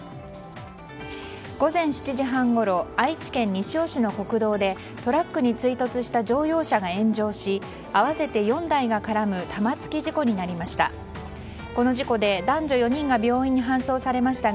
午前７時半ごろ愛知県西尾市の国道でトラックに追突した乗用車が炎上し合わせて４台が絡む玉突き事故になりました。